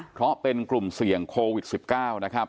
เพราะเป็นกลุ่มเสี่ยงโควิด๑๙นะครับ